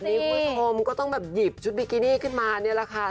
คุณผู้ชมก็ต้องแบบหยิบชุดบิกินี่ขึ้นมานี่แหละค่ะ